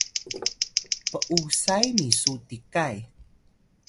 p’usay misu tikay